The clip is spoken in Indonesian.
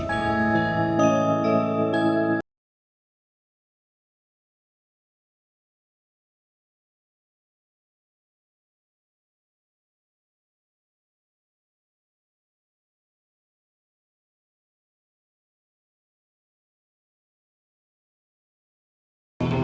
kamu bisa ngajakin siapa